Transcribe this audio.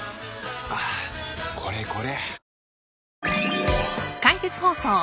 はぁこれこれ！